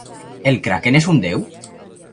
El Kraken és un déu?